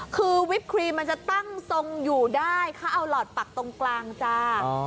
คือวิปครีมมันจะตั้งทรงอยู่ได้เขาเอาหลอดปักตรงกลางจ้า